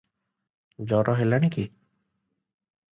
ଜର ହେଲାଣି କି?